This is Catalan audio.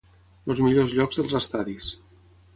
Els millors llocs dels estadis.